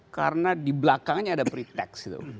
karena di belakangnya ada preteks